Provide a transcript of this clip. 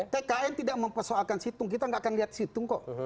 tkn tidak mempersoalkan situng kita nggak akan lihat situng kok